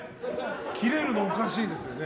キレるのおかしいですよね。